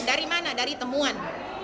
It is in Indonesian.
dari mana dari temuan